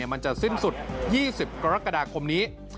มันจะสิ้นสุด๒๐กรกฎาคมนี้